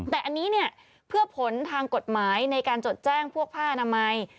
แต่อันนี้เนี่ยเพื่อผลทางกฎหมายในการจดแจ้งพวกผ้าอนามัย